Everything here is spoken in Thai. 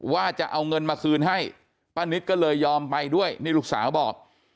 ว่าจะเอาเงินมาคืนให้ป้านิตก็เลยยอมไปด้วยนี่ลูกสาวบอก